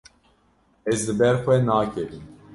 Ez li ber xwe nakevim.